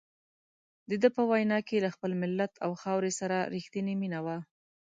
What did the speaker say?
دده په وینا کې له خپل ملت او خاورې سره رښتیني مینه وه.